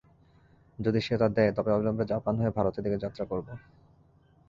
যদি সে তা দেয়, তবে অবিলম্বে জাপান হয়ে ভারতের দিকে যাত্রা করব।